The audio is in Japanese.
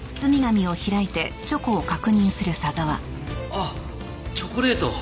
あっチョコレート！